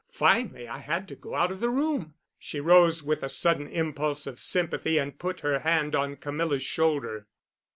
Finally I had to go out of the room." She rose with a sudden impulse of sympathy and put her hand on Camilla's shoulder.